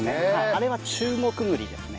あれは中国栗ですね。